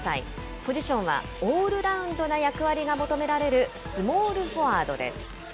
ポジションはオールラウンドな役割が求められる、スモールフォワードです。